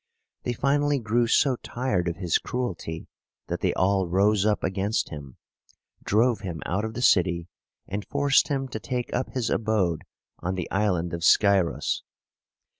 They finally grew so tired of his cruelty, that they all rose up against him, drove him out of the city, and forced him to take up his abode on the Island of Scy´ros.